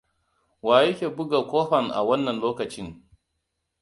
Waye yake buga ƙofa wannan a lokacin?